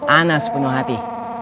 anah sepenuh hati